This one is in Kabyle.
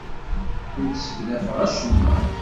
Ur d-sseknafeɣ acemma.